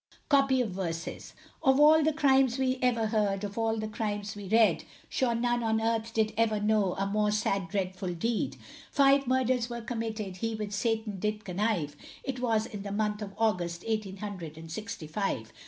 COPY OF VERSES. Of all the crimes we ever heard, of all the crimes we read, Sure none on earth did ever know, a more sad dreadful deed; Five murders were committed he with Satan did connive It was in the month of August, eighteen hundred and sixty five.